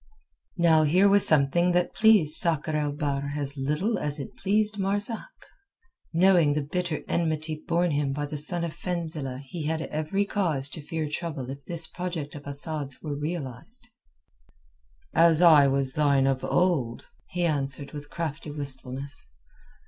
Now here was something that pleased Sakr el Bahr as little as it pleased Marzak. Knowing the bitter enmity borne him by the son of Fenzileh he had every cause to fear trouble if this project of Asad's were realized. "As I was thine of old!" he answered with crafty wistfulness.